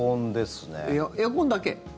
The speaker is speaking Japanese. エアコンだけ？